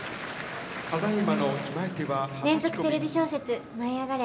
連続テレビ小説「舞いあがれ！」